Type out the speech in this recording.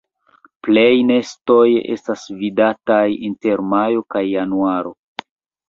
Plej nestoj estas vidataj inter majo kaj januaro.